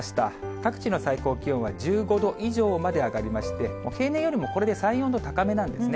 各地の最高気温は１５度以上まで上がりまして、平年よりもこれで３、４度高めなんですね。